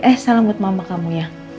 eh salam buat mama kamu ya